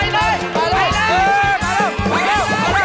ไปเลยไปเลย